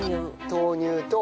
豆乳と。